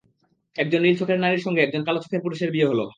একজন নীল চোখের নারীর সঙ্গে একজন কালো চোখের পুরুষের বিয়ে হলো।